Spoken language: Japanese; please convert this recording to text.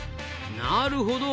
なるほど。